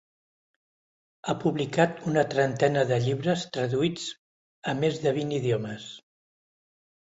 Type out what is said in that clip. Ha publicat una trentena de llibres traduïts a més de vint idiomes.